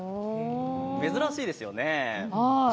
珍しいですよね。